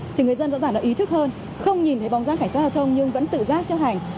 thì người dân rõ ràng đã ý thức hơn không nhìn thấy bóng dáng khảnh sát giao thông nhưng vẫn tự giác cho hành